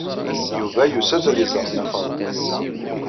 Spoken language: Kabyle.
Yuba yusa-d ad iẓer Nna Faḍma.